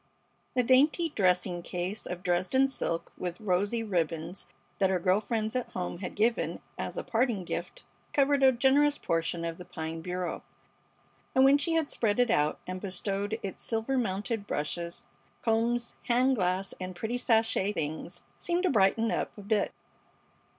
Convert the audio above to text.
The dainty dressing case of Dresden silk with rosy ribbons that her girl friends at home had given as a parting gift covered a generous portion of the pine bureau, and when she had spread it out and bestowed its silver mounted brushes, combs, hand glass, and pretty sachet, things seemed to brighten up a bit.